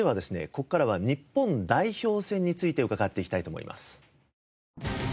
ここからは日本代表戦について伺っていきたいと思います。